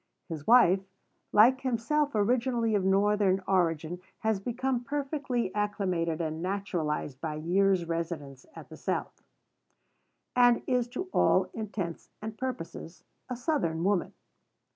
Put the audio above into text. His wife, like himself originally of Northern origin, has become perfectly acclimated and naturalized by years' residence at the South; and is to all intents and purposes, a Southern woman.